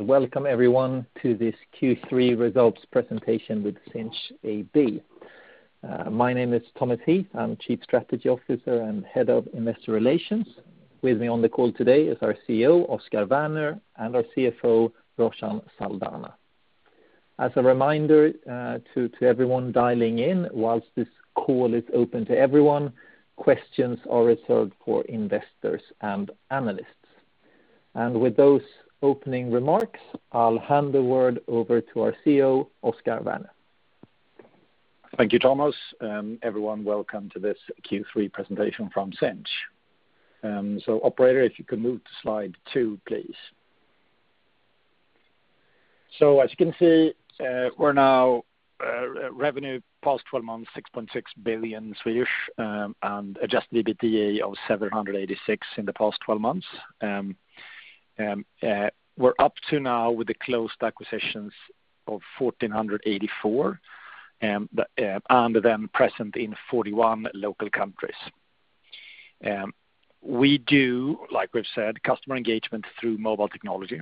Welcome everyone to this Q3 results presentation with Sinch AB. My name is Thomas Heath. I'm Chief Strategy Officer and Head of Investor Relations. With me on the call today is our CEO, Oscar Werner, and our CFO, Roshan Saldanha. As a reminder to everyone dialing in, whilst this call is open to everyone, questions are reserved for investors and analysts. With those opening remarks, I'll hand the word over to our CEO, Oscar Werner. Thank you, Thomas. Everyone, welcome to this Q3 Presentation from Sinch. Operator, if you could move to slide two, please. As you can see, we're now revenue past 12 months, 6.6 billion, and adjusted EBITDA of 786 in the past 12 months. We're up to now with the closed acquisitions of 1,484, and present in 41 local countries. We do, like we've said, customer engagement through mobile technology.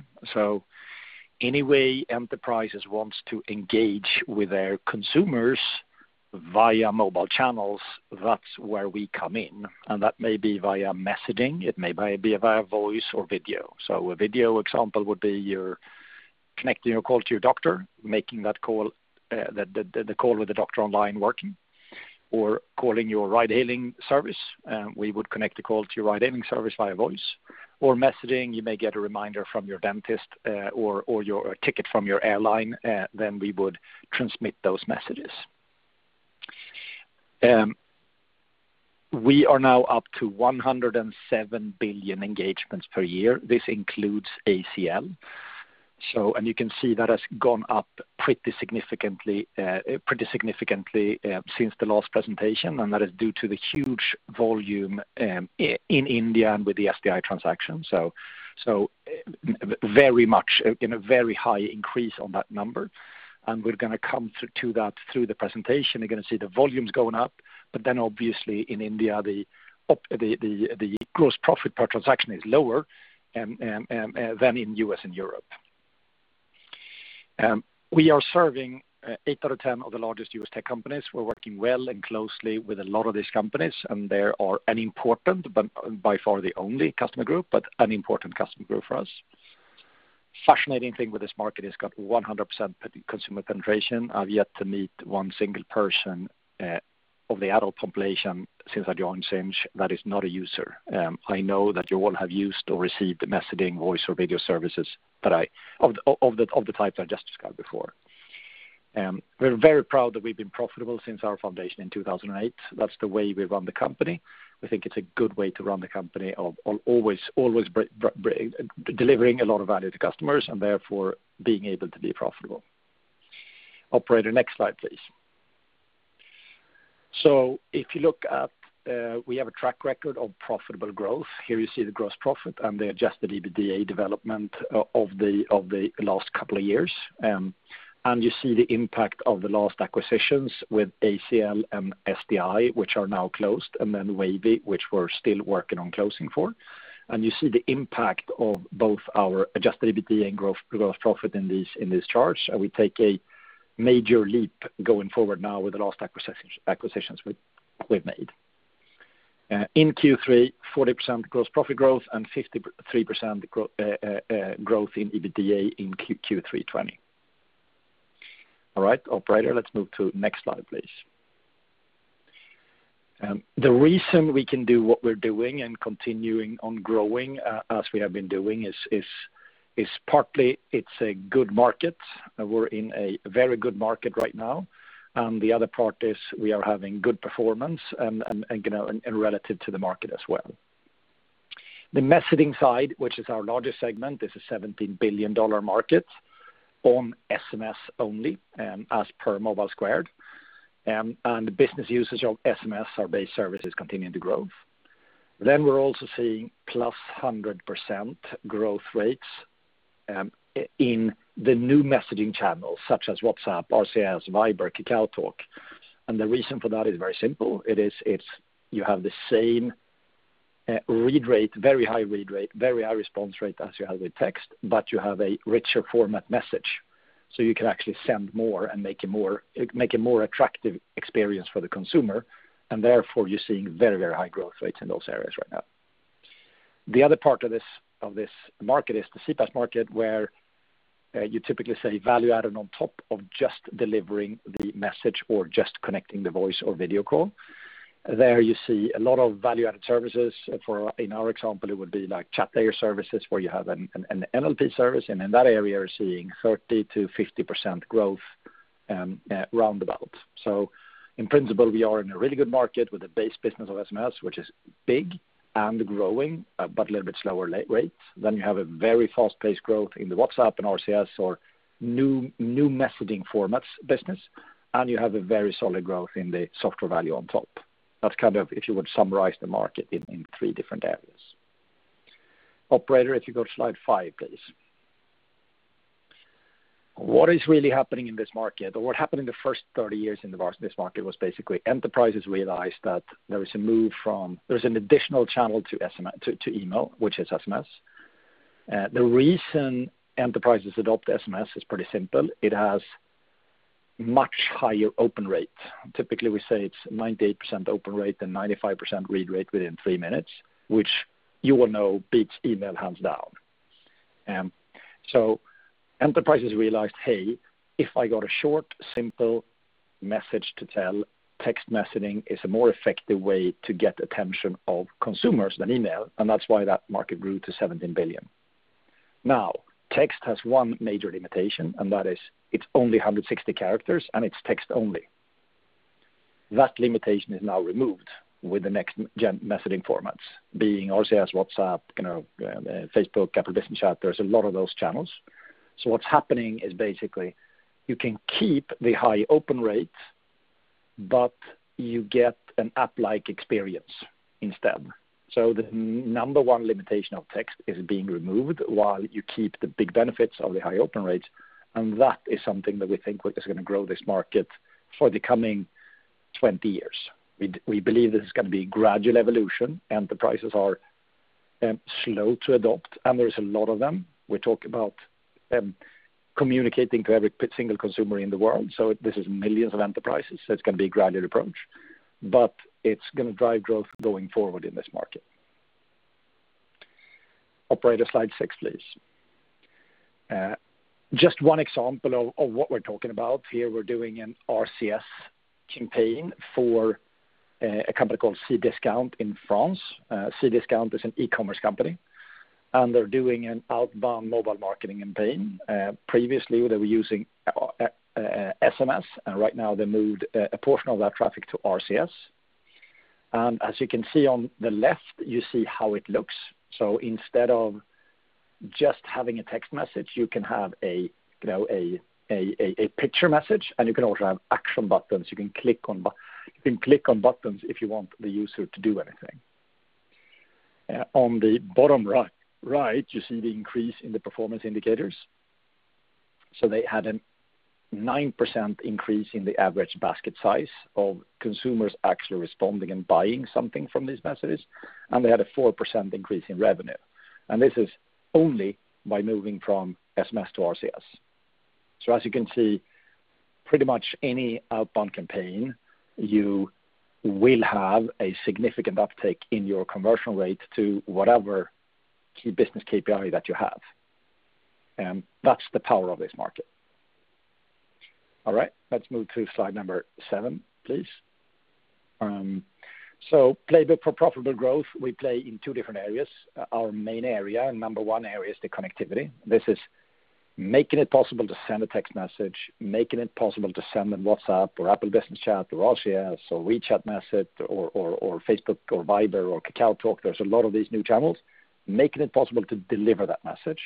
Any way enterprises want to engage with their consumers via mobile channels, that's where we come in. That may be via messaging, it may be via voice or video. A video example would be you're connecting a call to your doctor, making the call with the doctor online working, or calling your ride-hailing service. We would connect the call to your ride-hailing service via voice. Messaging, you may get a reminder from your dentist or your ticket from your airline, then we would transmit those messages. We are now up to 107 billion engagements per year. This includes ACL. You can see that has gone up pretty significantly since the last presentation, and that is due to the huge volume in India and with the SDI transaction. Very much in a very high increase on that number, and we're going to come to that through the presentation. You're going to see the volumes going up. Obviously in India, the gross profit per transaction is lower than in U.S. and Europe. We are serving eight out of 10 of the largest U.S. tech companies. We're working well and closely with a lot of these companies, and they are an important, but by far not the only customer group, but an important customer group for us. Fascinating thing with this market, it's got 100% consumer penetration. I've yet to meet one single person of the adult population since I joined Sinch that is not a user. I know that you all have used or received the messaging, voice or video services of the types I just described before. We're very proud that we've been profitable since our foundation in 2008. That's the way we run the company. We think it's a good way to run the company of always delivering a lot of value to customers, and therefore being able to be profitable. Operator, next slide, please. If you look up, we have a track record of profitable growth. Here you see the gross profit and the adjusted EBITDA development of the last couple of years. You see the impact of the last acquisitions with ACL and SDI, which are now closed, then Wavy, which we're still working on closing for. You see the impact of both our adjusted EBITDA and gross profit in this chart. We take a major leap going forward now with the last acquisitions we've made. In Q3, 40% gross profit growth and 53% growth in EBITDA in Q3 2020. All right, operator, let's move to next slide, please. The reason we can do what we're doing and continuing on growing as we have been doing is partly it's a good market. We're in a very good market right now. The other part is we are having good performance and relative to the market as well. The messaging side, which is our largest segment, this is a SEK 17 billion market on SMS only, as per Mobilesquared. The business usage of SMS or base services continuing to grow. We're also seeing +100% growth rates in the new messaging channels, such as WhatsApp, RCS, Viber, KakaoTalk. The reason for that is very simple. It is you have the same read rate, very high read rate, very high response rate as you have with text, but you have a richer format message. You can actually send more and make a more attractive experience for the consumer, and therefore you're seeing very high growth rates in those areas right now. The other part of this market is the CPaaS market, where you typically say value added on top of just delivering the message or just connecting the voice or video call. There you see a lot of value-added services. In our example, it would be like Chatlayer services, where you have an NLP service, and in that area, we're seeing 30%-50% growth, round about. In principle, we are in a really good market with a base business of SMS, which is big and growing, but a little bit slower rate. You have a very fast-paced growth in the WhatsApp and RCS or new messaging formats business, and you have a very solid growth in the software value on top. That's if you would summarize the market in three different areas. Operator, if you go to slide five, please. What is really happening in this market, or what happened in the first 30 years in this market was basically enterprises realized that there's an additional channel to email, which is SMS. The reason enterprises adopt SMS is pretty simple. It has much higher open rate. Typically, we say it's 98% open rate and 95% read rate within three minutes, which you know beats email hands down. Enterprises realized, hey, if I got a short, simple message to tell, text messaging is a more effective way to get attention of consumers than email, that's why that market grew to 17 billion. Text has one major limitation, that is it's only 160 characters, it's text only. That limitation is now removed with the next-gen messaging formats being RCS, WhatsApp, Facebook, Apple Business Chat. There's a lot of those channels. What's happening is basically you can keep the high open rates, you get an app-like experience instead. The number one limitation of text is being removed while you keep the big benefits of the high open rates, and that is something that we think is going to grow this market for the coming 20 years. We believe this is going to be a gradual evolution. Enterprises are slow to adopt, and there's a lot of them. We talk about communicating to every single consumer in the world. This is millions of enterprises. It's going to be a gradual approach, but it's going to drive growth going forward in this market. Operator, slide six, please. Just one example of what we're talking about. Here we're doing an RCS campaign for a company called Cdiscount in France. Cdiscount is an e-commerce company. They're doing an outbound mobile marketing campaign. Previously, they were using SMS, right now they moved a portion of that traffic to RCS. As you can see on the left, you see how it looks. Instead of just having a text message, you can have a picture message, you can also have action buttons. You can click on buttons if you want the user to do anything. On the bottom right, you see the increase in the performance indicators. They had a 9% increase in the average basket size of consumers actually responding and buying something from these messages, they had a 4% increase in revenue. This is only by moving from SMS to RCS. As you can see, pretty much any outbound campaign, you will have a significant uptake in your conversion rate to whatever key business KPI that you have. That's the power of this market. All right, let's move to slide number seven, please. Playbook for profitable growth, we play in two different areas. Our main area and number one area is the connectivity. This is making it possible to send a text message, making it possible to send on WhatsApp or Apple Business Chat or RCS or WeChat message or Facebook or Viber or KakaoTalk. There's a lot of these new channels. Making it possible to deliver that message.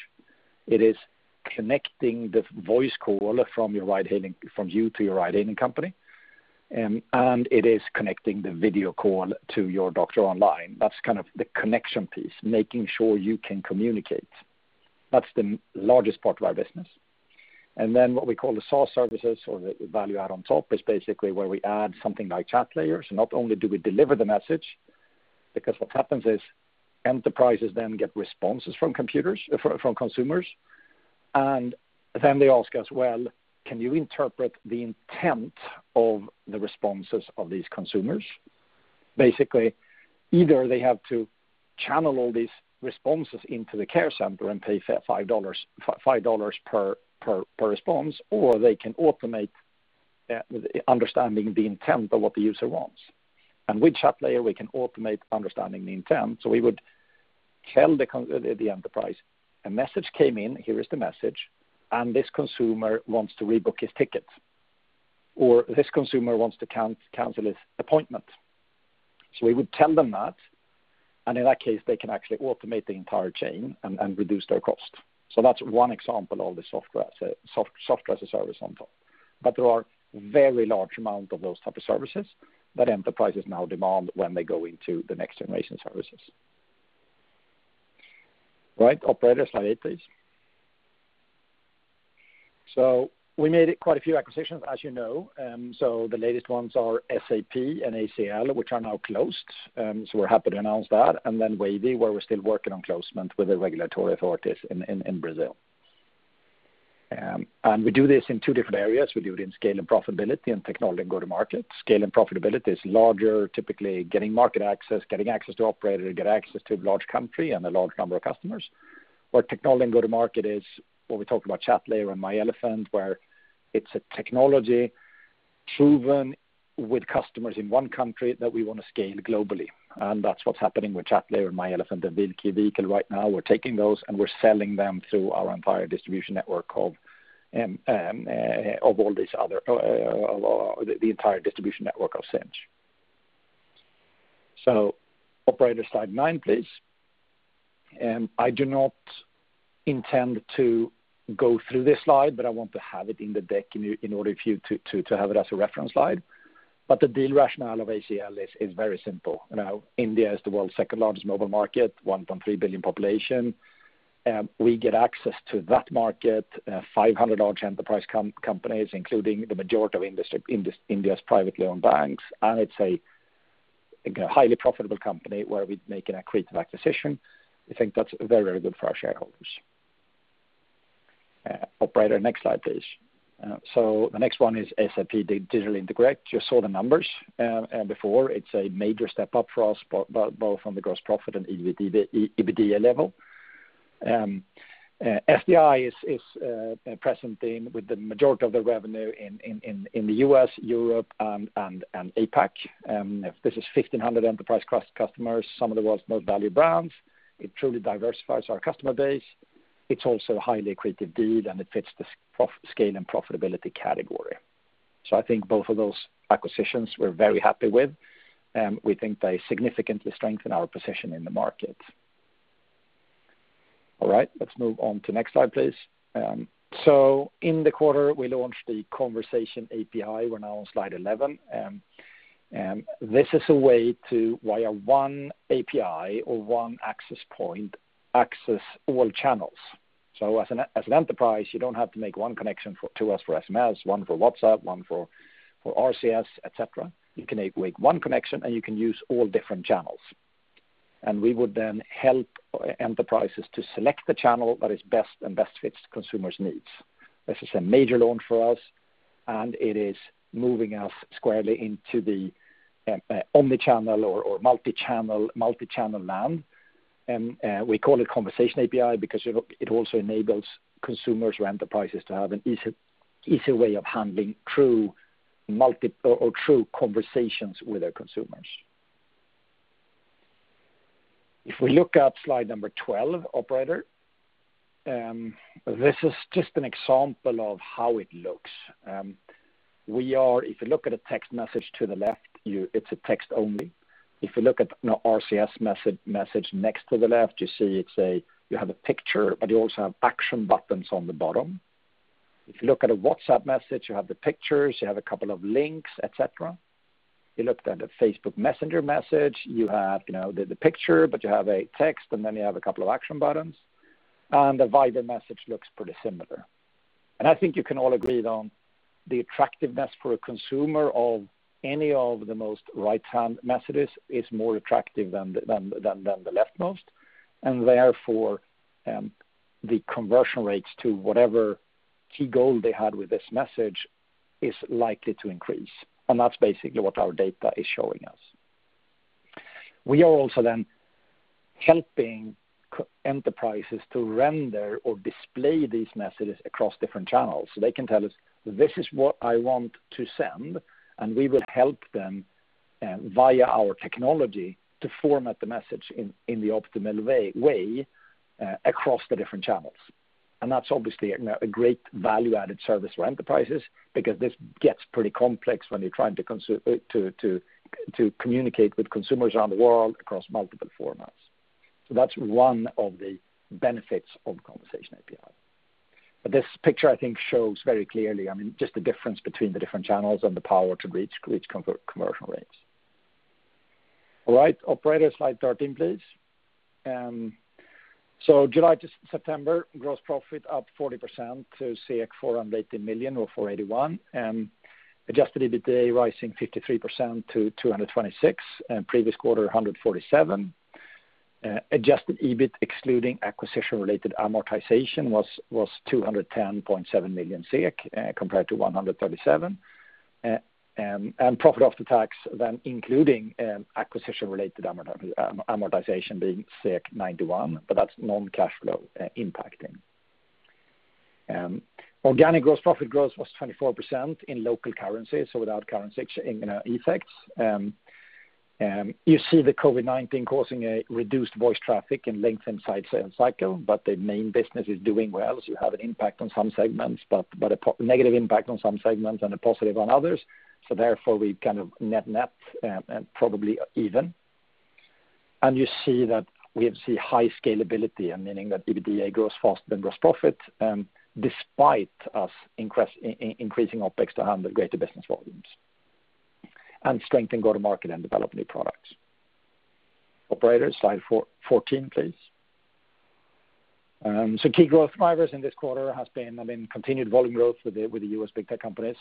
It is connecting the voice call from you to your ride-hailing company. It is connecting the video call to your doctor online. That's kind of the connection piece, making sure you can communicate. That's the largest part of our business. What we call the SaaS services or the value add on top is basically where we add something like Chatlayer. Not only do we deliver the message, because what happens is enterprises get responses from consumers, they ask us, "Well, can you interpret the intent of the responses of these consumers?" Basically, either they have to channel all these responses into the care center and pay SEK 5 per response, or they can automate understanding the intent of what the user wants. With Chatlayer, we can automate understanding the intent. We would tell the enterprise, "A message came in. Here is the message, and this consumer wants to rebook his ticket," or, "This consumer wants to cancel his appointment." We would tell them that, and in that case, they can actually automate the entire chain and reduce their cost. That's one example of the Software as a Service on top. There are very large amount of those type of services that enterprises now demand when they go into the next-generation services. Right. Operator, slide eight, please. We made quite a few acquisitions, as you know. The latest ones are SAP and ACL, which are now closed. We're happy to announce that. Then Wavy, where we're still working on closing with the regulatory authorities in Brazil. We do this in two different areas. We do it in scale and profitability and technology and go to market. Scale and profitability is larger, typically getting market access, getting access to operator, get access to a large country and a large number of customers. Where technology and go to market is where we talk about Chatlayer and myElefant, where it's a technology proven with customers in one country that we want to scale globally. That's what's happening with Chatlayer and myElefant and Vehicle right now. We're taking those, and we're selling them through our entire distribution network of Sinch. Operator, slide nine, please. I do not intend to go through this slide, but I want to have it in the deck in order for you to have it as a reference slide. The deal rationale of ACL is very simple. India is the world's second-largest mobile market, 1.3 billion population. We get access to that market, 500 large enterprise companies, including the majority of India's privately owned banks. It's a highly profitable company where we make an accretive acquisition. We think that's very good for our shareholders. Operator, next slide, please. The next one is SAP Digital Interconnect. You saw the numbers before. It's a major step up for us, both on the gross profit and EBITDA level. SDI is present with the majority of the revenue in the U.S., Europe, and APAC. This is 1,500 enterprise customers, some of the world's most valued brands. It truly diversifies our customer base. It's also a highly accretive deal, and it fits the scale and profitability category. I think both of those acquisitions we're very happy with. We think they significantly strengthen our position in the market. All right, let's move on to the next slide, please. In the quarter, we launched the Conversation API. We're now on slide 11. This is a way to, via one API or one access point, access all channels. As an enterprise, you don't have to make one connection to us for SMS, one for WhatsApp, one for RCS, et cetera. You can make one connection, and you can use all different channels. We would then help enterprises to select the channel that is best and best fits consumers' needs. This is a major launch for us, and it is moving us squarely into the omni-channel or multi-channel land. We call it Conversation API because it also enables consumers or enterprises to have an easy way of handling true conversations with their consumers. If we look at slide number 12, operator, this is just an example of how it looks. If you look at a text message to the left, it's a text only. If you look at an RCS message next to the left, you see you have a picture, but you also have action buttons on the bottom. If you look at a WhatsApp message, you have the pictures, you have a couple of links, et cetera. You look at a Facebook Messenger message, you have the picture, but you have a text, then you have a couple of action buttons. The Viber message looks pretty similar. I think you can all agree on the attractiveness for a consumer of any of the most right-hand messages is more attractive than the leftmost. Therefore, the conversion rates to whatever key goal they had with this message is likely to increase. That's basically what our data is showing us. We are also helping enterprises to render or display these messages across different channels. They can tell us, "This is what I want to send," and we will help them, via our technology, to format the message in the optimal way across the different channels. That's obviously a great value-added service for enterprises because this gets pretty complex when you're trying to communicate with consumers around the world across multiple formats. That's one of the benefits of Conversation API. This picture, I think, shows very clearly, just the difference between the different channels and the power to reach commercial rates. All right, operator, slide 13, please. July to September, gross profit up 40% to 418 million or 481. Adjusted EBITDA rising 53% to 226, and previous quarter, 147. Adjusted EBIT excluding acquisition-related amortization was 210.7 million, compared to 137 million. Profit after tax then including acquisition-related amortization being 91, but that's non-cash flow impacting. Organic gross profit growth was 24% in local currency, so without currency effects. You see the COVID-19 causing a reduced voice traffic and length inside sales cycle, but the main business is doing well. You have an impact on some segments, but a negative impact on some segments and a positive on others. Therefore, we net and probably even. You see that we have seen high scalability, meaning that EBITDA grows faster than gross profit, despite us increasing OpEx to handle greater business volumes and strengthen go-to-market and develop new products. Operator, slide 14, please. Key growth drivers in this quarter has been continued volume growth with the U.S. big tech companies.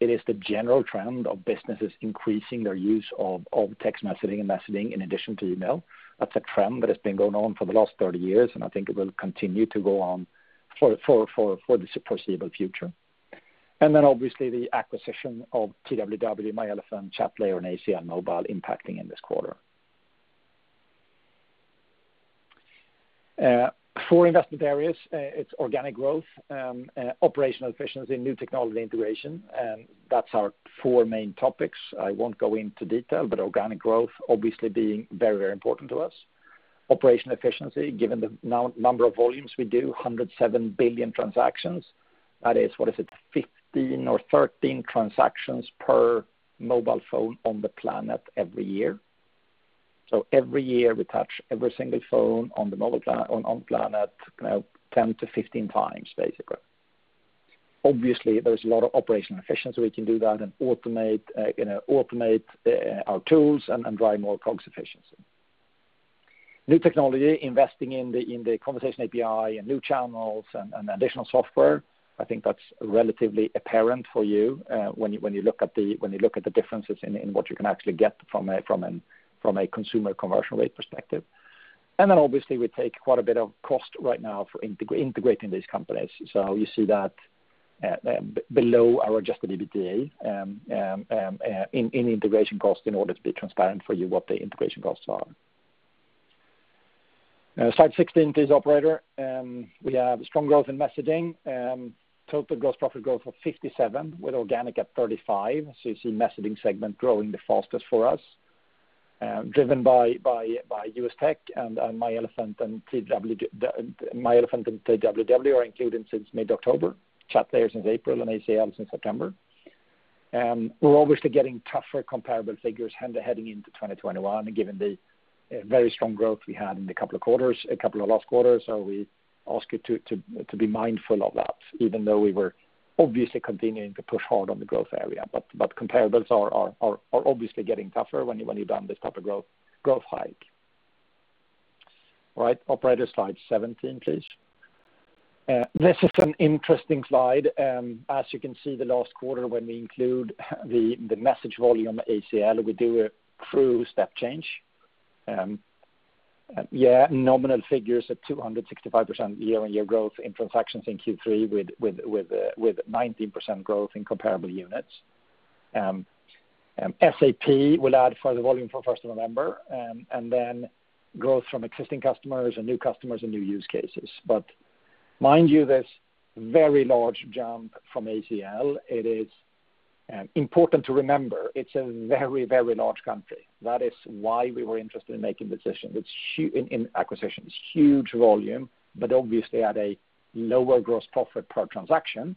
It is the general trend of businesses increasing their use of text messaging and messaging in addition to email. That's a trend that has been going on for the last 30 years, and I think it will continue to go on for the foreseeable future. Then, obviously, the acquisition of TWW, myElefant, Chatlayer, and ACL Mobile impacting in this quarter. Four investment areas, it's organic growth, operational efficiency, new technology integration. That's our four main topics. I won't go into detail, but organic growth obviously being very important to us. Operational efficiency, given the number of volumes we do, 107 billion transactions. That is, what is it? 15 or 13 transactions per mobile phone on the planet every year. Every year we touch every single phone on the mobile on planet 10-15 times, basically. Obviously, there's a lot of operational efficiency we can do that and automate our tools and drive more COGS efficiency. New technology, investing in the Conversation API and new channels and additional software, I think that's relatively apparent for you, when you look at the differences in what you can actually get from a consumer conversion rate perspective. Obviously we take quite a bit of cost right now for integrating these companies. You see that below our adjusted EBITDA, in integration cost in order to be transparent for you what the integration costs are. Slide 16, please, operator. We have strong growth in messaging, total gross profit growth of 57 with organic at 35. You see messaging segment growing the fastest for us, driven by U.S. tech and myElefant and TWW are included since mid-October, Chatlayer since April, and ACL since September. We're obviously getting tougher comparable figures heading into 2021 given the very strong growth we had in the couple of last quarters. We ask you to be mindful of that, even though we were obviously continuing to push hard on the growth area. Comparables are obviously getting tougher when you've done this type of growth hike. All right, operator, slide 17, please. This is an interesting slide. As you can see the last quarter when we include the message volume ACL, we do a true step change. Yeah, nominal figures at 265% year-on-year growth in transactions in Q3 with 19% growth in comparable units. SAP will add further volume from 1st of November, and then growth from existing customers and new customers and new use cases. Mind you, this very large jump from ACL, it is important to remember it's a very, very large country. That is why we were interested in acquisition. It's huge volume, but obviously at a lower gross profit per transaction.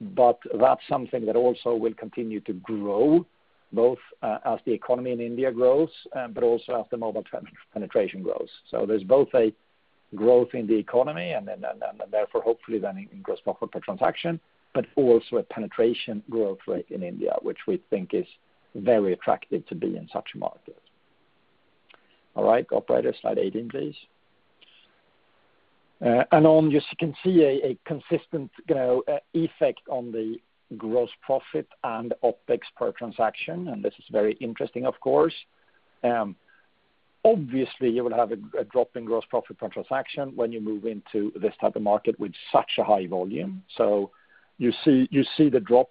That's something that also will continue to grow both as the economy in India grows, but also as the mobile penetration grows. There's both a growth in the economy and therefore hopefully then in gross profit per transaction, but also a penetration growth rate in India, which we think is very attractive to be in such a market. All right, operator, slide 18, please. On this you can see a consistent effect on the gross profit and OpEx per transaction, and this is very interesting of course. Obviously, you will have a drop in gross profit per transaction when you move into this type of market with such a high volume. You see the drop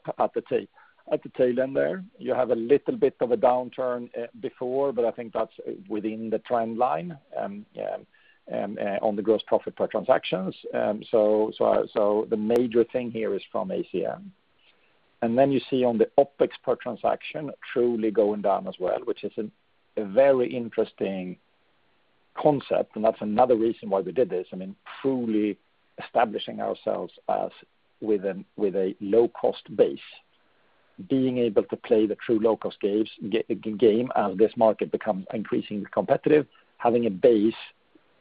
at the tail end there. You have a little bit of a downturn before, but I think that's within the trend line, on the gross profit per transactions. The major thing here is from ACL. Then you see on the OpEx per transaction truly going down as well, which is a very interesting concept, and that's another reason why we did this. I mean, truly establishing ourselves as with a low-cost base, being able to play the true low-cost game as this market becomes increasingly competitive, having a base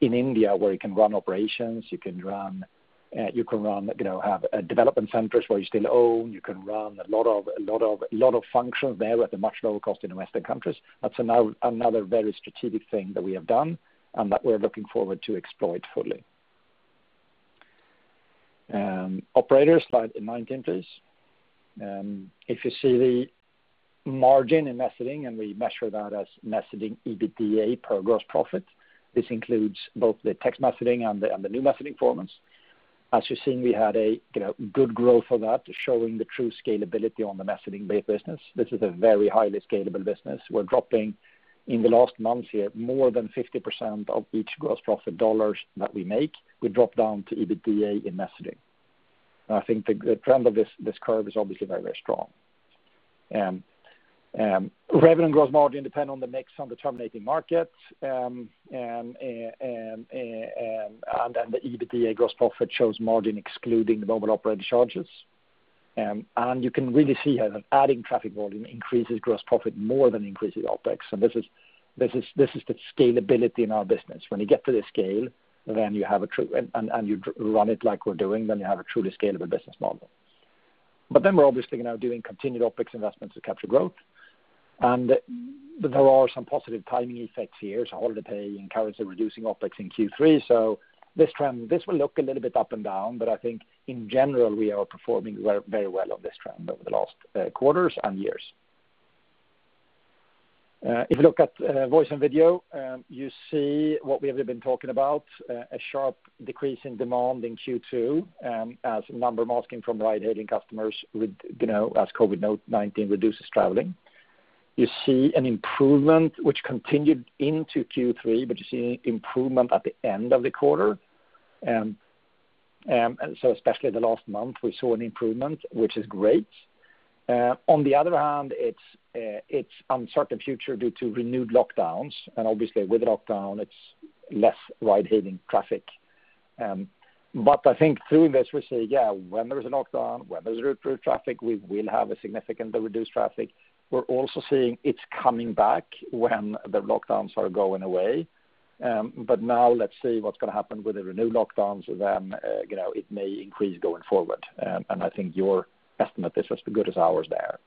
in India where you can run operations, you can have development centers where you still own, you can run a lot of functions there at a much lower cost than the Western countries. That's another very strategic thing that we have done and that we're looking forward to exploit fully. Operator, slide 19, please. You see the margin in messaging, and we measure that as messaging EBITDA per gross profit. This includes both the text messaging and the new messaging formats. As you're seeing, we had a good growth for that, showing the true scalability on the messaging-based business. This is a very highly scalable business. We're dropping in the last month here, more than 50% of each gross profit dollars that we make, we drop down to EBITDA in messaging. I think the trend of this curve is obviously very, very strong. Revenue and gross margin depend on the mix on the terminating market. The EBITDA gross profit shows margin excluding the mobile operator charges. You can really see here that adding traffic volume increases gross profit more than increasing OpEx. This is the scalability in our business. When you get to this scale and you run it like we're doing, then you have a truly scalable business model. We're obviously now doing continued OpEx investments to capture growth. There are some positive timing effects here, so holiday and currency reducing OpEx in Q3. This will look a little bit up and down, but I think in general, we are performing very well on this trend over the last quarters and years. If you look at voice and video, you see what we have been talking about, a sharp decrease in demand in Q2, as number masking from ride-hailing customers as COVID-19 reduces traveling. You see an improvement which continued into Q3, but you see improvement at the end of the quarter. Especially the last month, we saw an improvement, which is great. On the other hand, it's uncertain future due to renewed lockdowns. Obviously with lockdown, it's less ride-hailing traffic. I think through this we see, when there's a lockdown, when there's reduced traffic, we will have a significant reduced traffic. We're also seeing it's coming back when the lockdowns are going away. Now let's see what's going to happen with the renewed lockdowns, then it may increase going forward. I think your estimate is as good as ours there.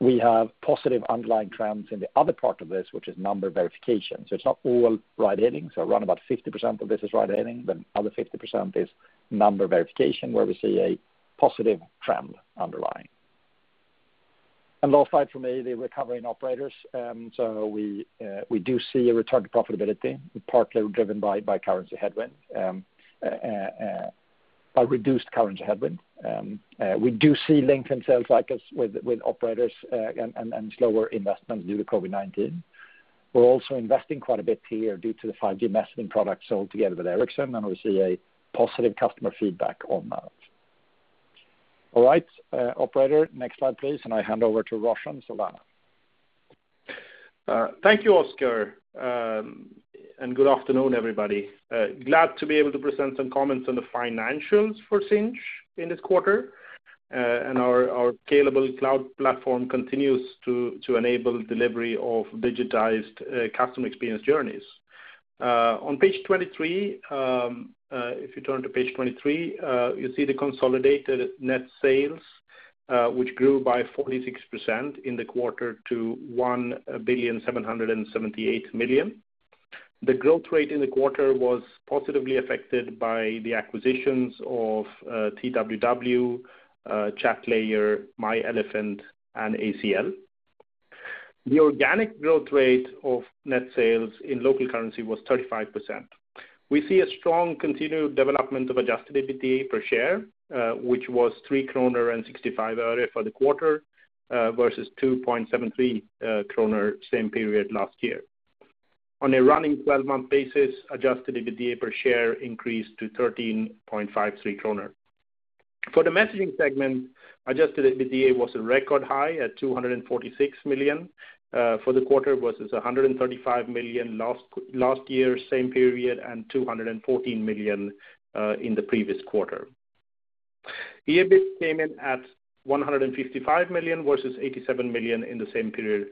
We have positive underlying trends in the other part of this, which is number verification. It's not all ride-hailing. Around about 50% of this is ride-hailing, but the other 50% is number verification, where we see a positive trend underlying. Last slide for me, the recovering operators. We do see a return to profitability, partly driven by currency headwind, by reduced currency headwind. We do see lengthened sales cycles with operators and slower investments due to COVID-19. We're also investing quite a bit here due to the 5G messaging product sold together with Ericsson, and we see a positive customer feedback on that. All right. Operator, next slide, please. I hand over to Roshan. Over to you. Thank you, Oscar. Good afternoon, everybody. Glad to be able to present some comments on the financials for Sinch in this quarter. Our scalable cloud platform continues to enable delivery of digitized customer experience journeys. On page 23, if you turn to page 23, you see the consolidated net sales, which grew by 46% in the quarter to 1,778 million. The growth rate in the quarter was positively affected by the acquisitions of TWW, Chatlayer, myElefant, and ACL. The organic growth rate of net sales in local currency was 35%. We see a strong continued development of adjusted EBITDA per share, which was SEK 3.65 for the quarter, versus 2.73 kronor same period last year. On a running 12-month basis, adjusted EBITDA per share increased to 13.53 kronor. For the messaging segment, adjusted EBITDA was a record high at 246 million for the quarter versus 135 million last year, same period, and 214 million in the previous quarter. EBIT came in at 155 million versus 87 million in the same period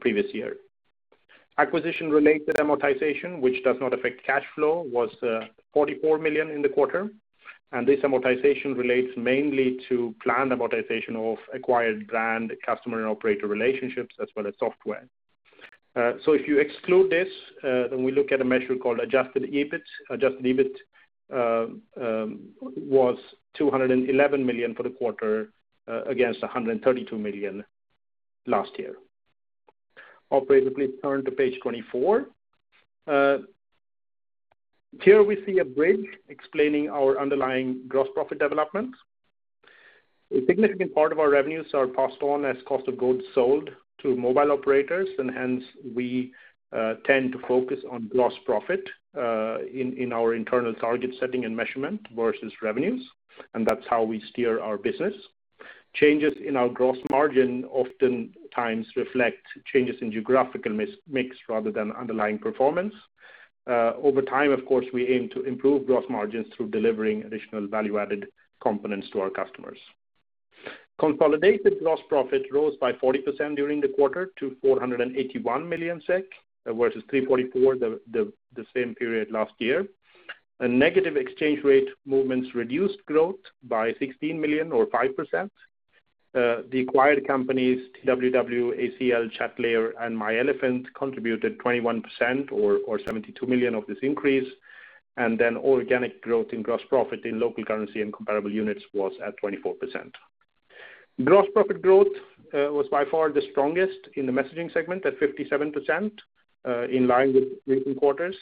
previous year. Acquisition-related amortization, which does not affect cash flow, was 44 million in the quarter. This amortization relates mainly to planned amortization of acquired brand customer and operator relationships as well as software. If you exclude this, we look at a measure called adjusted EBIT. Adjusted EBIT was 211 million for the quarter against 132 million last year. Operator, please turn to page 24. Here we see a bridge explaining our underlying gross profit development. A significant part of our revenues are passed on as cost of goods sold to mobile operators, and hence we tend to focus on gross profit in our internal target setting and measurement versus revenues, and that's how we steer our business. Changes in our gross margin oftentimes reflect changes in geographical mix rather than underlying performance. Over time, of course, we aim to improve gross margins through delivering additional value-added components to our customers. Consolidated gross profit rose by 40% during the quarter to 481 million SEK, versus 344 million the same period last year. Negative exchange rate movements reduced growth by 16 million or 5%. The acquired companies, TWW, ACL, Chatlayer, and myElefant, contributed 21% or 72 million of this increase. Organic growth in gross profit in local currency and comparable units was at 24%. Gross profit growth was by far the strongest in the messaging segment at 57%, in line with recent quarters,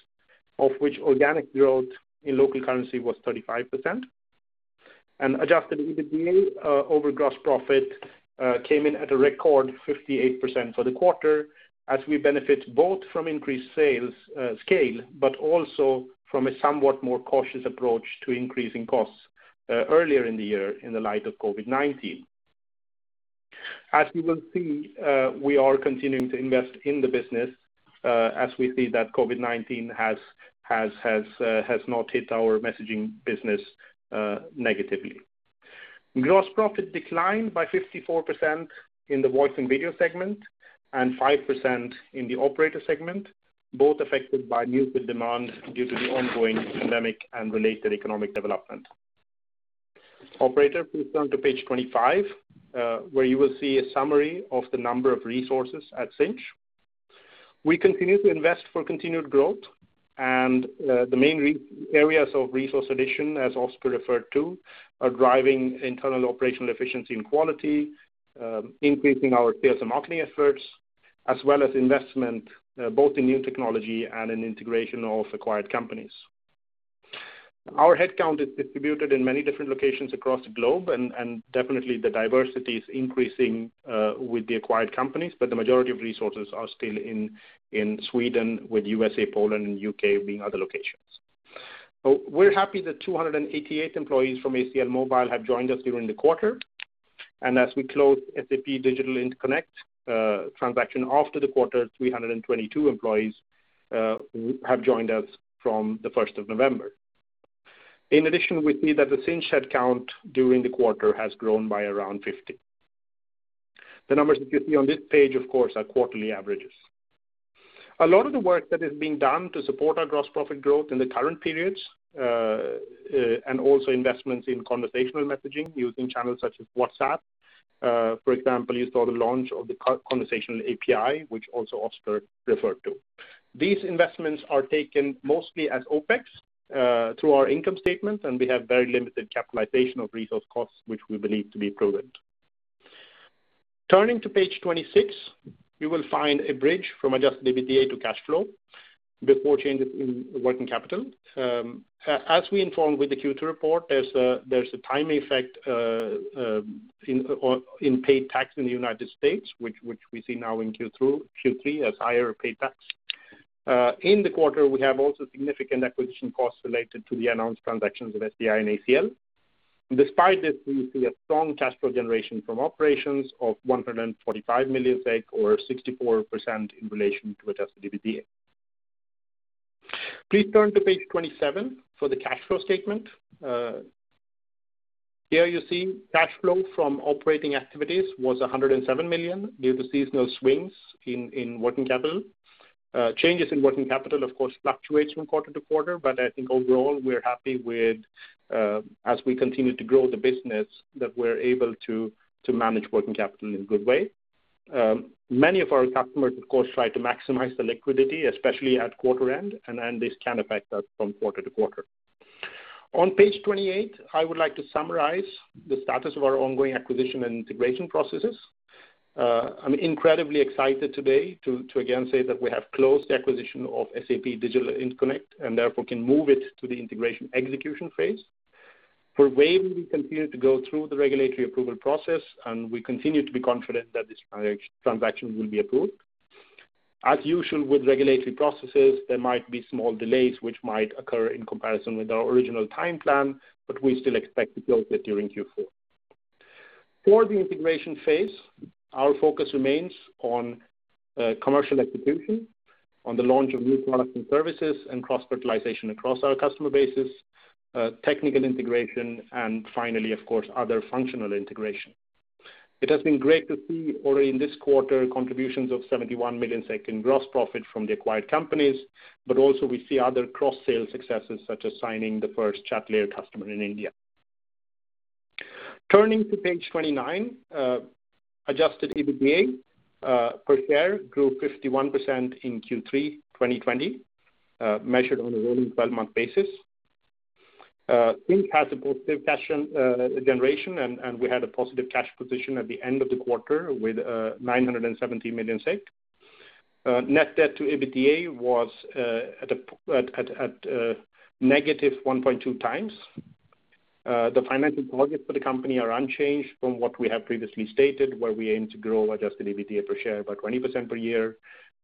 of which organic growth in local currency was 35%. Adjusted EBITDA over gross profit came in at a record 58% for the quarter as we benefit both from increased sales scale, but also from a somewhat more cautious approach to increasing costs earlier in the year in the light of COVID-19. As you will see, we are continuing to invest in the business as we see that COVID-19 has not hit our messaging business negatively. Gross profit declined by 54% in the voice and video segment and 5% in the operator segment, both affected by muted demand due to the ongoing pandemic and related economic development. Operator, please turn to page 25, where you will see a summary of the number of resources at Sinch. We continue to invest for continued growth. The main areas of resource addition, as Oscar referred to, are driving internal operational efficiency and quality, increasing our sales and marketing efforts, as well as investment both in new technology and in integration of acquired companies. Our headcount is distributed in many different locations across the globe. Definitely the diversity is increasing with the acquired companies, but the majority of resources are still in Sweden, with the U.S., Poland, and U.K. being other locations. We're happy that 288 employees from ACL Mobile have joined us during the quarter. As we close SAP Digital Interconnect transaction after the quarter, 322 employees have joined us from the 1st of November. In addition, we see that the Sinch headcount during the quarter has grown by around 50. The numbers that you see on this page, of course, are quarterly averages. A lot of the work that is being done to support our gross profit growth in the current periods, and also investments in conversational messaging using channels such as WhatsApp, for example, you saw the launch of the Conversation API, which also Oscar referred to. These investments are taken mostly as OpEx, through our income statement. We have very limited capitalization of resource costs, which we believe to be prudent. Turning to page 26, you will find a bridge from adjusted EBITDA to cash flow before changes in working capital. As we informed with the Q2 report, there's a timing effect in paid tax in the United States, which we see now in Q3 as higher paid tax. In the quarter, we have also significant acquisition costs related to the announced transactions with SDI and ACL. Despite this, we see a strong cash flow generation from operations of 145 million SEK or 64% in relation to adjusted EBITDA. Please turn to page 27 for the cash flow statement. You see cash flow from operating activities was 107 million due to seasonal swings in working capital. Changes in working capital, of course, fluctuates from quarter-to-quarter. I think overall we're happy with, as we continue to grow the business, that we're able to manage working capital in a good way. Many of our customers, of course, try to maximize the liquidity, especially at quarter end. This can affect us from quarter-to-quarter. On page 28, I would like to summarize the status of our ongoing acquisition and integration processes. I'm incredibly excited today to again say that we have closed the acquisition of SAP Digital Interconnect, and therefore can move it to the integration execution phase. For Wavy, we continue to go through the regulatory approval process, and we continue to be confident that this transaction will be approved. As usual with regulatory processes, there might be small delays which might occur in comparison with our original time plan, but we still expect to close it during Q4. For the integration phase, our focus remains on commercial execution, on the launch of new products and services, and cross-fertilization across our customer bases, technical integration, and finally, of course, other functional integration. It has been great to see already in this quarter contributions of 71 million in gross profit from the acquired companies, but also we see other cross-sale successes, such as signing the first Chatlayer customer in India. Turning to page 29, adjusted EBITDA per share grew 51% in Q3 2020, measured on a rolling 12-month basis. Sinch has a positive cash generation, and we had a positive cash position at the end of the quarter with 970 million. Net debt to EBITDA was at negative 1.2x. The financial targets for the company are unchanged from what we have previously stated, where we aim to grow adjusted EBITDA per share by 20% per year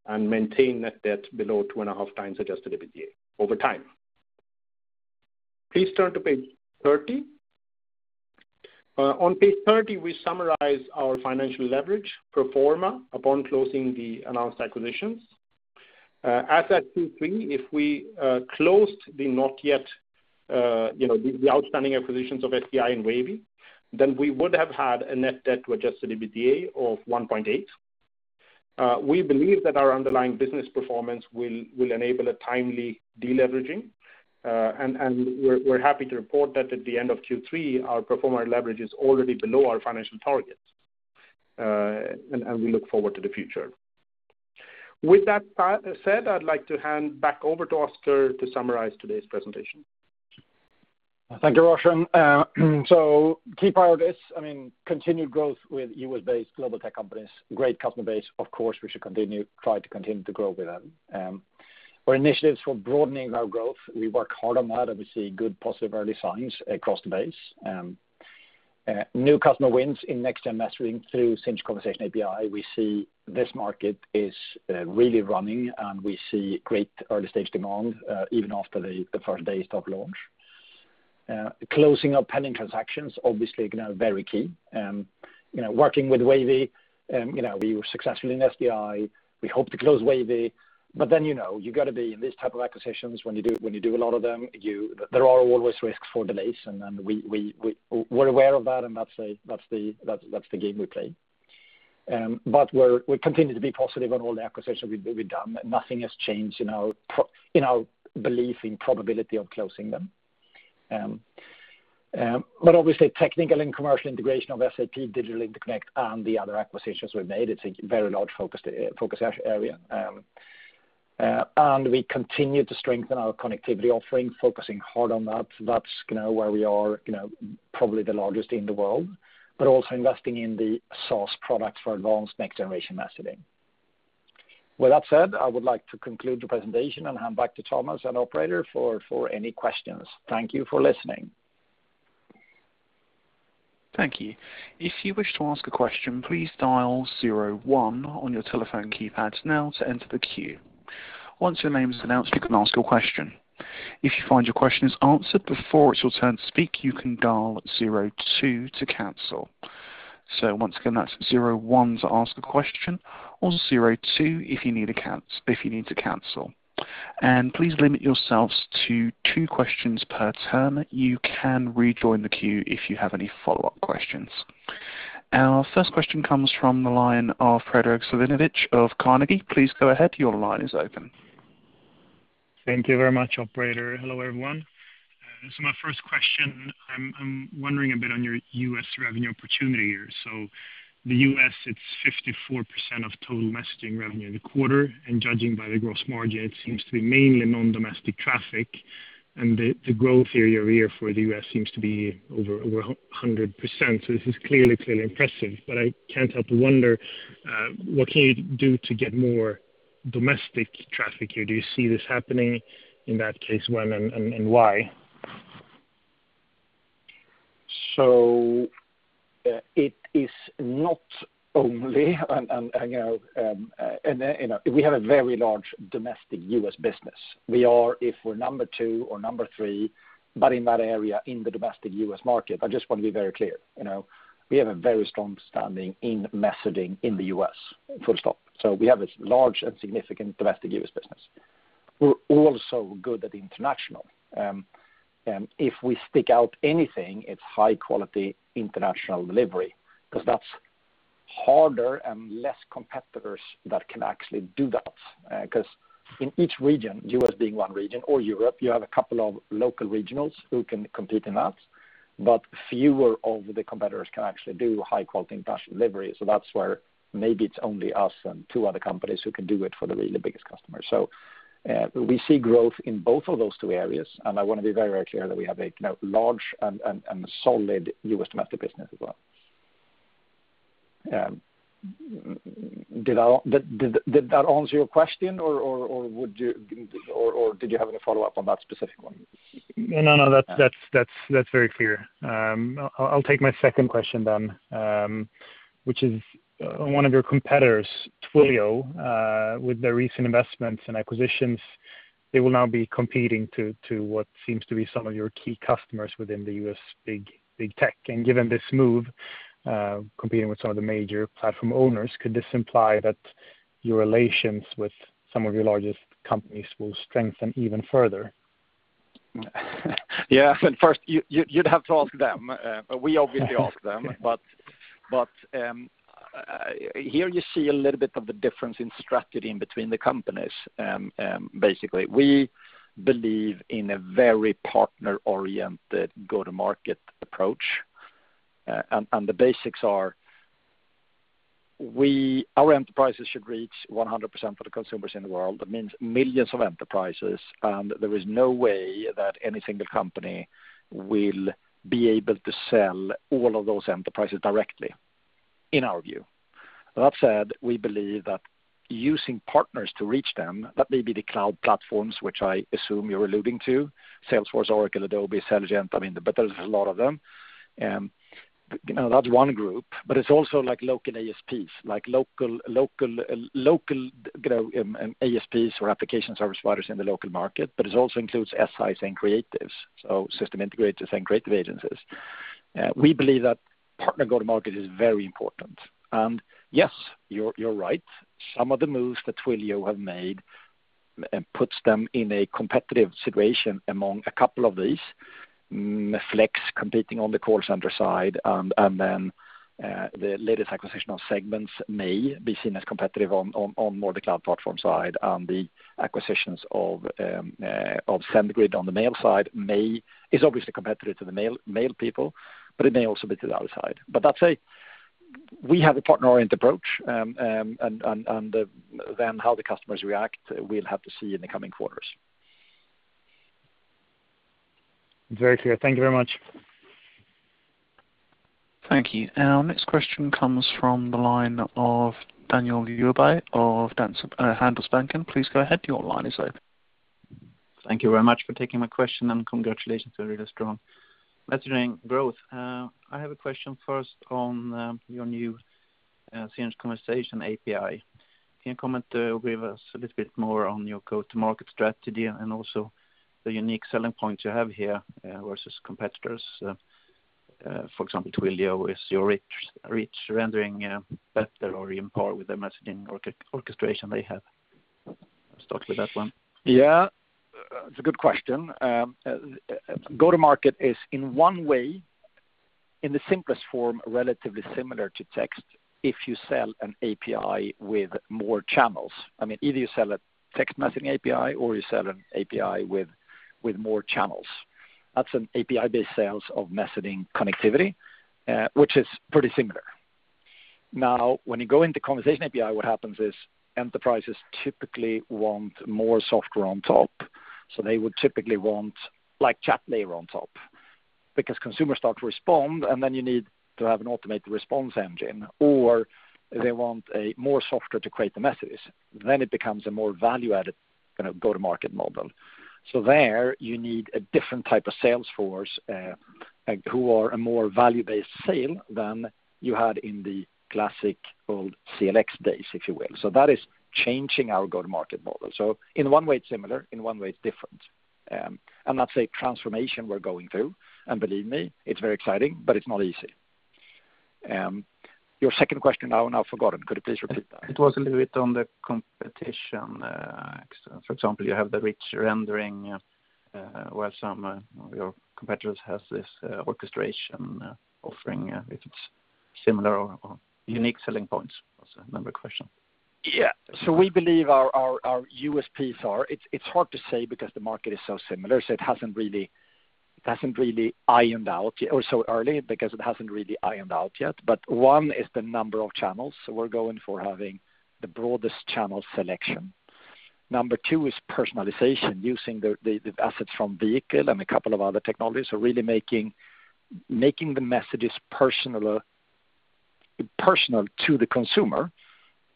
and maintain net debt below 2.5x adjusted EBITDA over time. Please turn to page 30. On page 30, we summarize our financial leverage pro forma upon closing the announced acquisitions. As at Q3, if we closed the outstanding acquisitions of SDI and Wavy, then we would have had a net debt to adjusted EBITDA of 1.8. We believe that our underlying business performance will enable a timely de-leveraging. We're happy to report that at the end of Q3, our pro forma leverage is already below our financial targets. We look forward to the future. With that said, I'd like to hand back over to Oscar to summarize today's presentation. Thank you, Roshan. Key priorities, continued growth with U.S.-based global tech companies, great customer base. Of course, we should try to continue to grow with them. Our initiatives for broadening our growth, we work hard on that, and we see good positive early signs across the base. New customer wins in next-gen messaging through Sinch Conversation API. We see this market is really running, and we see great early-stage demand, even after the first days of launch. Closing our pending transactions, obviously, very key. Working with Wavy, we were successful in SDI. We hope to close Wavy, you got to be, in these type of acquisitions, when you do a lot of them, there are always risks for delays, and we're aware of that, and that's the game we play. We continue to be positive on all the acquisitions we've done. Nothing has changed in our belief in probability of closing them. Obviously, technical and commercial integration of SAP Digital Interconnect and the other acquisitions we've made, it's a very large focus area. We continue to strengthen our connectivity offering, focusing hard on that. That's where we are probably the largest in the world, but also investing in the SaaS product for advanced next generation messaging. With that said, I would like to conclude the presentation and hand back to Thomas and operator for any questions. Thank you for listening. Thank you. If you wish to ask a question, please dial zero one on your telephone keypad now to enter the queue. Once your name is announced, you can ask your question. If you find your question is answered before it's your turn to speak, you can dial zero two to cancel. Once again, that's zero one to ask the question or zero two if you need to cancel. Please limit yourselves to two questions per turn. You can rejoin the queue if you have any follow-up questions. Our first question comes from the line of Predrag Savinovic of Carnegie. Please go ahead. Your line is open. Thank you very much, operator. Hello, everyone. My first question, I'm wondering a bit on your U.S. revenue opportunity here. The U.S., it's 54% of total messaging revenue in the quarter, and judging by the gross margin, it seems to be mainly non-domestic traffic, and the growth year-over-year for the U.S. seems to be over 100%. This is clearly impressive, but I can't help but wonder, what can you do to get more domestic traffic here? Do you see this happening, in that case, when and why? It is not only, and we have a very large domestic U.S. business. We are if we're number two or number three, but in that area, in the domestic U.S. market, I just want to be very clear. We have a very strong standing in messaging in the U.S., full stop. We have a large and significant domestic U.S. business. We're also good at international. If we stick out anything, it's high-quality international delivery, because that's harder and less competitors that can actually do that. Because in each region, U.S. being one region or Europe, you have a couple of local regionals who can compete in that, but fewer of the competitors can actually do high-quality international delivery. That's where maybe it's only us and two other companies who can do it for the really biggest customers. We see growth in both of those two areas, and I want to be very clear that we have a large and solid U.S. domestic business as well. Did that answer your question, or did you have any follow-up on that specific one? No, that's very clear. I'll take my second question then, which is one of your competitors, Twilio, with their recent investments and acquisitions, they will now be competing to what seems to be some of your key customers within the U.S. big tech. Given this move, competing with some of the major platform owners, could this imply that your relations with some of your largest companies will strengthen even further? Yeah. Well, first, you'd have to ask them. We obviously ask them. Here you see a little bit of the difference in strategy between the companies. Basically, we believe in a very partner-oriented go-to-market approach. The basics are our enterprises should reach 100% for the consumers in the world. That means millions of enterprises, and there is no way that any single company will be able to sell all of those enterprises directly, in our view. That said, we believe that using partners to reach them, that may be the cloud platforms, which I assume you're alluding to, Salesforce, Oracle, Adobe, Selligent, I mean, but there's a lot of them. That's one group, but it's also local ASPs, like local ASPs or application service providers in the local market, but it also includes SIs and creatives, so system integrators and creative agencies. We believe that partner go-to-market is very important. Yes, you're right. Some of the moves that Twilio have made puts them in a competitive situation among a couple of these. Flex competing on the call center side, and then the latest acquisition of Segment may be seen as competitive on more the cloud platform side. The acquisitions of SendGrid on the mail side is obviously competitive to the mail people, but it may also be to the other side. That said, we have a partner-oriented approach, and then how the customers react, we'll have to see in the coming quarters. Very clear. Thank you very much. Thank you. Our next question comes from the line of Daniel Djurberg of Handelsbanken. Please go ahead. Your line is open. Thank you very much for taking my question and congratulations on a really strong messaging growth. I have a question first on your new Sinch Conversation API. Can you comment or give us a little bit more on your go-to-market strategy and also the unique selling points you have here versus competitors, for example, Twilio, is your reach rendering better or on par with the messaging orchestration they have? Let's start with that one. Yeah. It's a good question. Go-to-market is, in one way, in the simplest form, relatively similar to text if you sell an API with more channels. I mean, either you sell a text messaging API or you sell an API with more channels. That's an API-based sales of messaging connectivity, which is pretty similar. When you go into Conversation API, what happens is enterprises typically want more software on top. They would typically want Chatlayer on top because consumers start to respond, and then you need to have an automated response engine, or they want more software to create the messages. It becomes a more value-added go-to-market model. There you need a different type of sales force, who are a more value-based sale than you had in the classic old CLX days, if you will. That is changing our go-to-market model. In one way, it's similar. In one way, it's different. That's a transformation we're going through, and believe me, it's very exciting, but it's not easy. Your second question I have now forgotten. Could you please repeat that? It was a little bit on the competition. For example, you have the rich rendering, while some of your competitors have this orchestration offering, if it's similar or unique selling points, was my other question. It's hard to say because the market is so similar, it hasn't really ironed out or so early because it hasn't really ironed out yet. One is the number of channels. We're going for having the broadest channel selection. Number two is personalization, using the assets from Vehicle and a couple of other technologies. Really making the messages personal to the consumer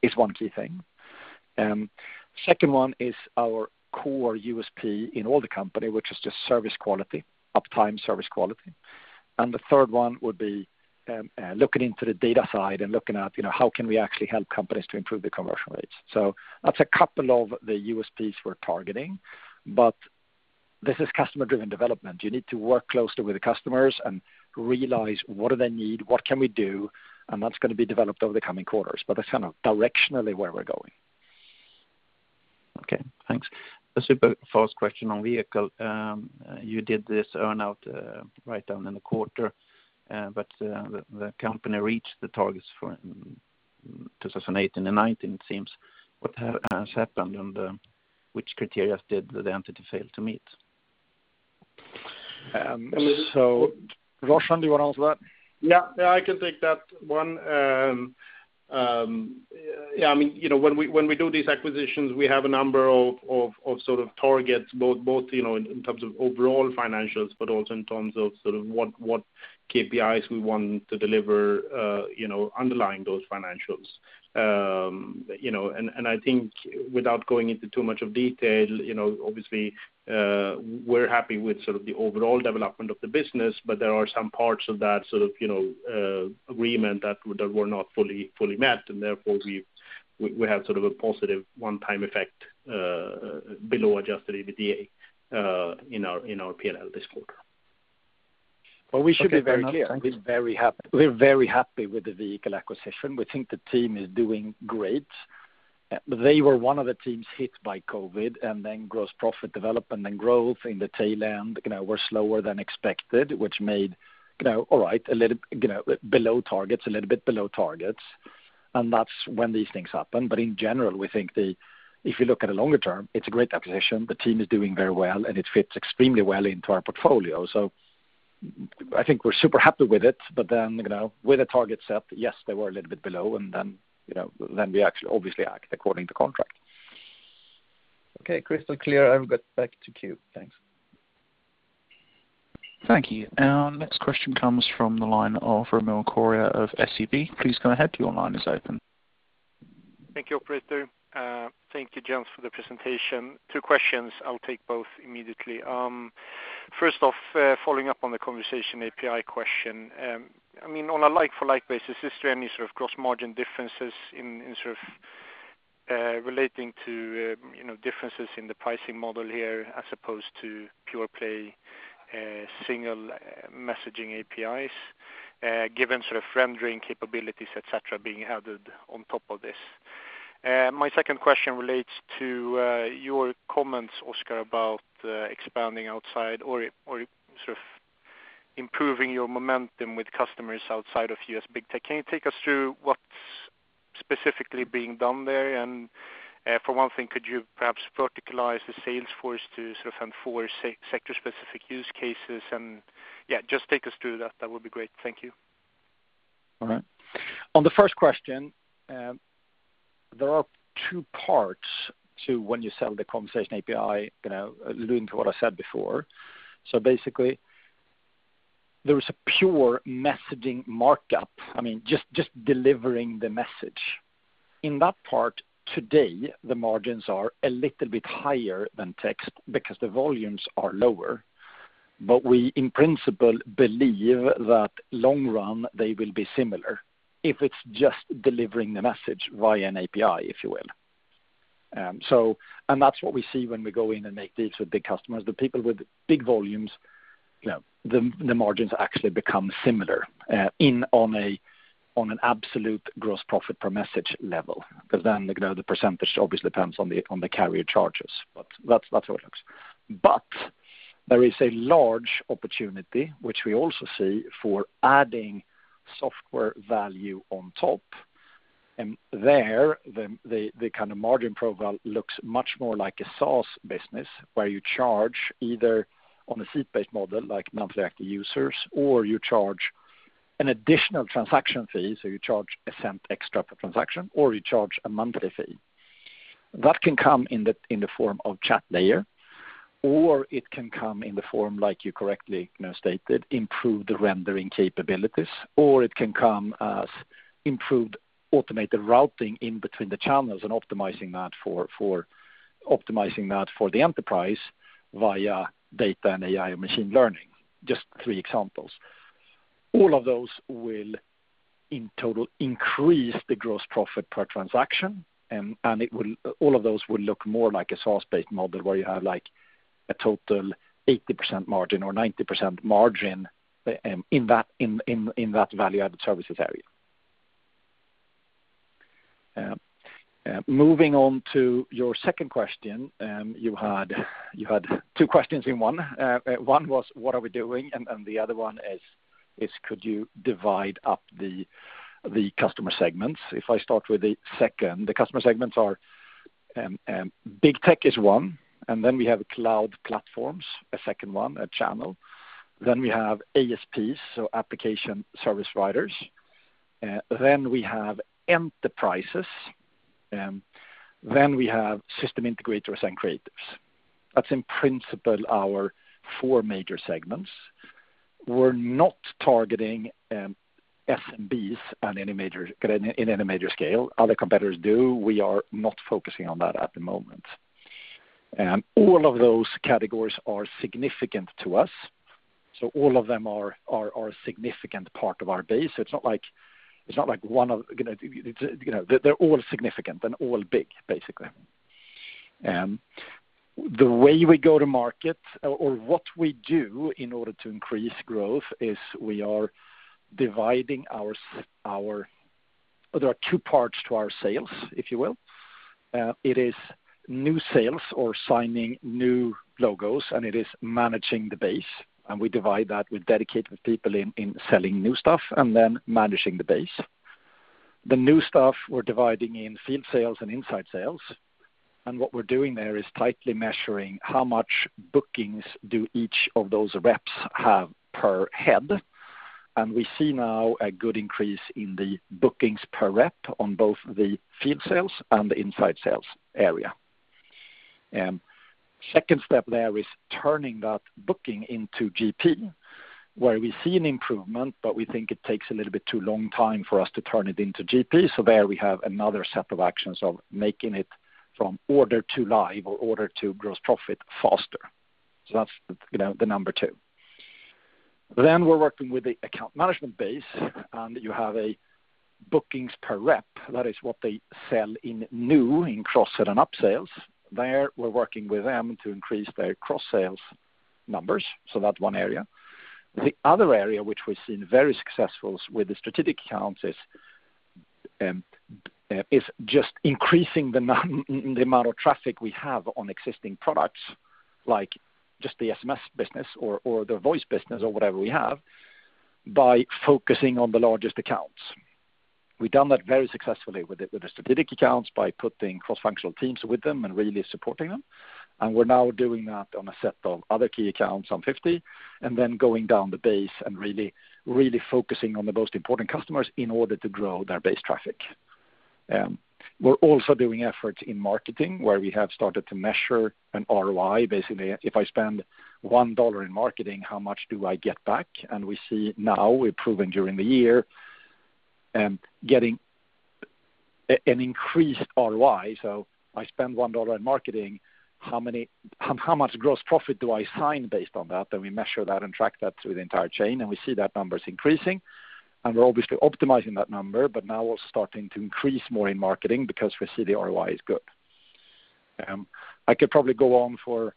is one key thing. Second one is our core USP in all the company, which is just service quality, uptime service quality. The third one would be looking into the data side and looking at how can we actually help companies to improve their commercial rates. That's a couple of the USPs we're targeting. This is customer-driven development. You need to work closely with the customers and realize what do they need, what can we do, and that's going to be developed over the coming quarters. That's directionally where we're going. Okay, thanks. A super fast question on Vehicle. You did this earn-out write-down in the quarter, but the company reached the targets for 2018 and 2019, it seems. What has happened, and which criteria did the entity fail to meet? Roshan, do you want to answer that? I can take that one. When we do these acquisitions, we have a number of targets, both in terms of overall financials, but also in terms of what KPIs we want to deliver underlying those financials. I think without going into too much of detail, obviously, we're happy with the overall development of the business, but there are some parts of that agreement that were not fully met, and therefore, we have a positive one-time effect below adjusted EBITDA in our P&L this quarter. We should be very clear. We're very happy with the Vehicle acquisition. We think the team is doing great. They were one of the teams hit by COVID, gross profit development and growth in the tail end were slower than expected, which made a little bit below targets, and that's when these things happen. In general, we think that if you look at the longer term, it's a great acquisition. The team is doing very well, and it fits extremely well into our portfolio. I think we're super happy with it. With the target set, yes, they were a little bit below, we obviously act according to contract. Okay, crystal clear. I'll get back to queue. Thanks. Thank you. Our next question comes from the line of Ramil Koria of SEB. Please go ahead, your line is open. Thank you, operator. Thank you, gents, for the presentation. Two questions, I'll take both immediately. First off, following up on the Conversation API question. On a like-for-like basis, is there any sort of gross margin differences in relating to differences in the pricing model here as opposed to pure play single messaging APIs, given rendering capabilities, et cetera, being added on top of this? My second question relates to your comments, Oscar, about expanding outside or improving your momentum with customers outside of U.S. big tech. Can you take us through what's specifically being done there? Could you perhaps verticalize the sales force to find for sector-specific use cases? Yeah, just take us through that. That would be great. Thank you. On the first question, there are two parts to when you sell the Conversation API, alluding to what I said before. Basically, there is a pure messaging markup, just delivering the message. In that part today, the margins are a little bit higher than text because the volumes are lower. We, in principle, believe that long run, they will be similar if it's just delivering the message via an API, if you will. That's what we see when we go in and make deals with big customers. The people with big volumes, the margins actually become similar on an absolute gross profit per message level, because then the percentage obviously depends on the carrier charges. That's how it looks. There is a large opportunity, which we also see, for adding software value on top. There, the margin profile looks much more like a SaaS business, where you charge either on a seat-based model, like monthly active users, or you charge an additional transaction fee, so you charge SEK 0.01 extra per transaction, or you charge a monthly fee. That can come in the form of Chatlayer, or it can come in the form like you correctly stated, improved rendering capabilities, or it can come as improved automated routing in between the channels and optimizing that for the enterprise via data and AI and machine learning. Just three examples. All of those will in total increase the gross profit per transaction, and all of those will look more like a SaaS-based model where you have a total 80% margin or 90% margin in that value-added services area. Moving on to your second question. You had two questions in one. One was, what are we doing? The other one is, could you divide up the customer segments? If I start with the second, the customer segments are, big tech is one, we have cloud platforms, a second one, a channel. We have ASPs, so application service providers. We have enterprises. We have system integrators and creatives. That's in principle our four major segments. We're not targeting SMBs in any major scale. Other competitors do. We are not focusing on that at the moment. All of those categories are significant to us. All of them are a significant part of our base. They're all significant and all big, basically. The way we go to market, or what we do in order to increase growth is we are dividing. There are two parts to our sales, if you will. It is new sales or signing new logos, and it is managing the base. We divide that with dedicated people in selling new stuff and then managing the base. The new stuff we're dividing in field sales and inside sales. What we're doing there is tightly measuring how much bookings do each of those reps have per head. We see now a good increase in the bookings per rep on both the field sales and the inside sales area. Second step there is turning that booking into GP, where we see an improvement, but we think it takes a little bit too long time for us to turn it into GP. There we have another set of actions of making it from order to live or order to gross profit faster. That's the number two. We're working with the account management base, and you have a bookings per rep. That is what they sell in new, in cross-sell and up-sales. There, we're working with them to increase their cross-sales numbers. That's one area. The other area which we've seen very successful with the strategic accounts is just increasing the amount of traffic we have on existing products, like just the SMS business or the voice business or whatever we have, by focusing on the largest accounts. We've done that very successfully with the strategic accounts by putting cross-functional teams with them and really supporting them. We're now doing that on a set of other key accounts, some 50, and then going down the base and really focusing on the most important customers in order to grow their base traffic. We're also doing efforts in marketing, where we have started to measure an ROI. Basically, if I spend SEK 1 in marketing, how much do I get back? We see now we've proven during the year getting an increased ROI. If I spend SEK 1 in marketing, how much gross profit do I sign based on that? We measure that and track that through the entire chain, and we see that number's increasing. We're obviously optimizing that number, but now we're starting to increase more in marketing because we see the ROI is good. I could probably go on for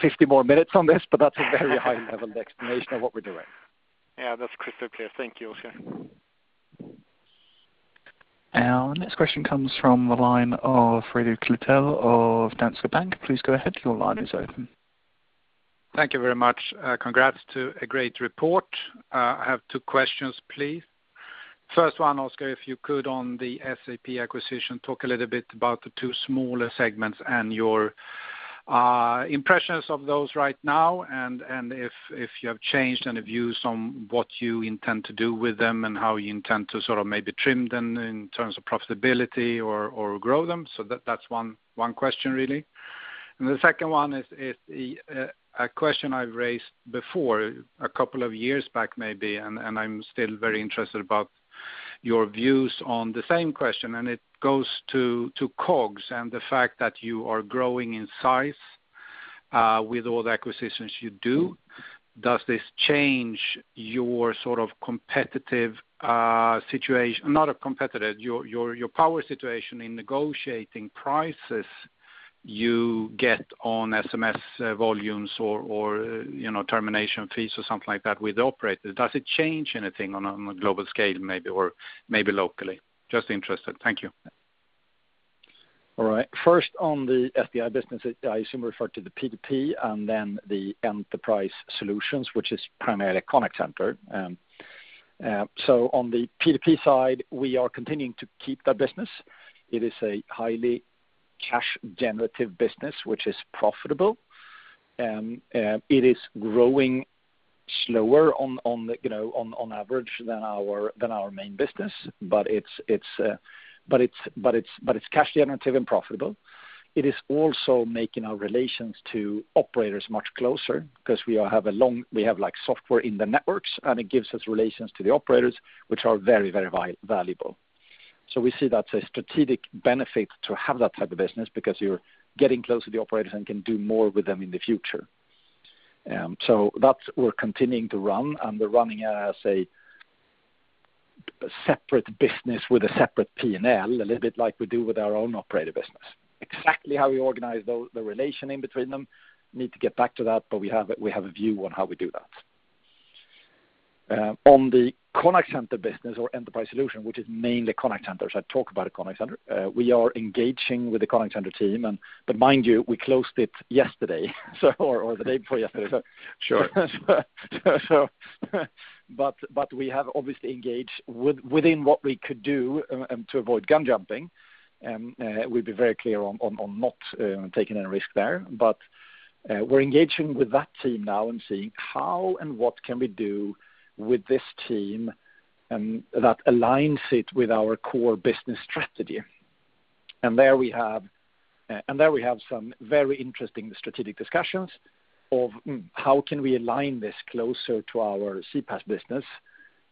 50 more minutes on this, but that's a very high-level explanation of what we're doing. Yeah, that's crystal clear. Thank you, Oscar. Our next question comes from the line of Fredrik Lithell of Danske Bank. Please go ahead. Your line is open. Thank you very much. Congrats to a great report. I have two questions, please. First one, Oscar, if you could, on the SAP acquisition, talk a little bit about the two smaller segments and your impressions of those right now, and if you have changed any views on what you intend to do with them and how you intend to maybe trim them in terms of profitability or grow them. That's one question, really. The second one is a question I've raised before, a couple of years back maybe, and I'm still very interested about your views on the same question, and it goes to COGS and the fact that you are growing in size with all the acquisitions you do. Does this change your competitive situation, your power situation in negotiating prices you get on SMS volumes or termination fees or something like that with the operator? Does it change anything on a global scale maybe, or maybe locally? Just interested. Thank you. All right. First on the SDI business, I assume you refer to the P2P and then the enterprise solutions, which is primarily a contact center. On the P2P side, we are continuing to keep that business. It is a highly cash-generative business, which is profitable. It is growing slower on average than our main business, but it's cash-generative and profitable. It is also making our relations to operators much closer because we have software in the networks, and it gives us relations to the operators, which are very, very valuable. We see that's a strategic benefit to have that type of business because you're getting close to the operators and can do more with them in the future. That we're continuing to run, and we're running it as a separate business with a separate P&L, a little bit like we do with our own operator business. Exactly how we organize the relation in between them, need to get back to that, but we have a view on how we do that. On the contact center business or enterprise solution, which is mainly contact centers, I talk about a contact center. We are engaging with the contact center team and, but mind you, we closed it yesterday, or the day before yesterday. Sure. We have obviously engaged within what we could do to avoid gun jumping, and we'd be very clear on not taking any risk there. We're engaging with that team now and seeing how and what can we do with this team that aligns it with our core business strategy. There we have some very interesting strategic discussions of how can we align this closer to the CPaaS business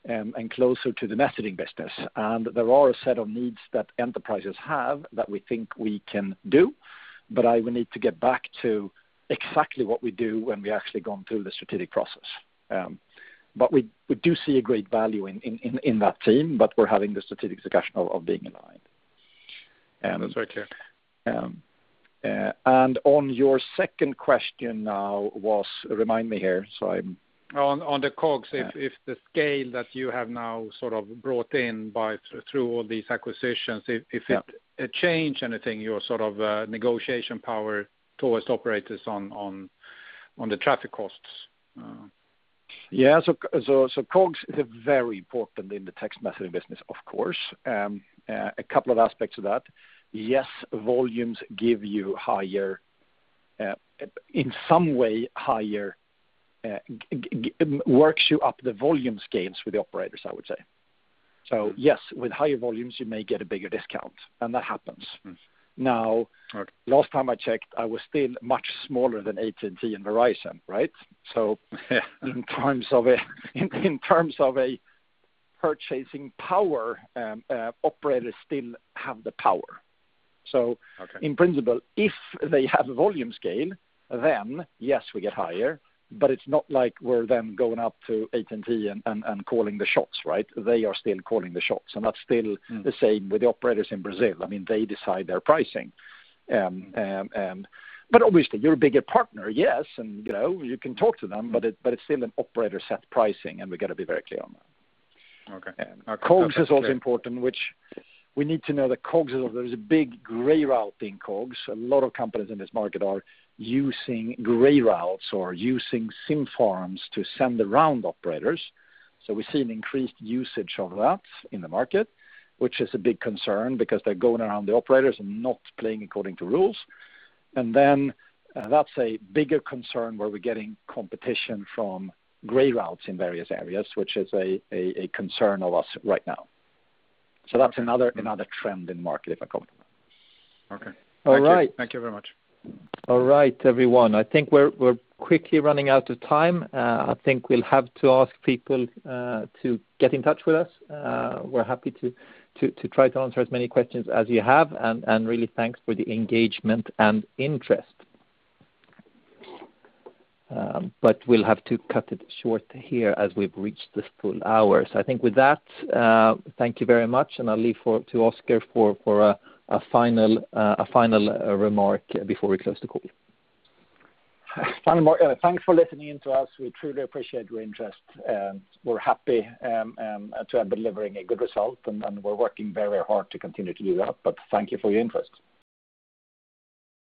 and closer to the messaging business. There are a set of needs that enterprises have that we think we can do, but I will need to get back to exactly what we do when we actually gone through the strategic process. We do see a great value in that team, but we're having the strategic discussion of being aligned. That's very clear. On your second question now was, remind me here, On the COGS, if the scale that you have now sort of brought in through all these acquisitions, if it changed anything, your sort of negotiation power towards operators on the traffic costs. Yeah. COGS is very important in the text messaging business, of course. A couple of aspects of that. Yes, volumes give you, in some way, higher Works you up the volumes games with the operators, I would say. Yes, with higher volumes, you may get a bigger discount, and that happens. Last time I checked, I was still much smaller than AT&T and Verizon, right? In terms of a purchasing power, operators still have the power. In principle, if they have a volume scale, then yes, we get higher, but it's not like we're then going up to AT&T and calling the shots, right? They are still calling the shots, and that's still the same with the operators in Brazil. They decide their pricing. Obviously you're a bigger partner, yes, and you can talk to them, but it's still an operator set pricing, and we've got to be very clear on that. COGS is also important, which we need to know that COGS is, there is a big gray route in COGS. A lot of companies in this market are using gray routes or using SIM farms to send around operators. We see an increased usage of that in the market, which is a big concern because they're going around the operators and not playing according to rules. That's a bigger concern where we're getting competition from gray routes in various areas, which is a concern of us right now. That's another trend in market, if I compare. Okay. All right. Thank you very much. All right, everyone. I think we're quickly running out of time. I think we'll have to ask people to get in touch with us. We're happy to try to answer as many questions as you have, and really thanks for the engagement and interest. We'll have to cut it short here as we've reached this full hour. I think with that, thank you very much, and I'll leave to Oscar for a final remark before we close the call. Thanks for listening in to us. We truly appreciate your interest. We're happy to delivering a good result and we're working very hard to continue to do that. Thank you for your interest.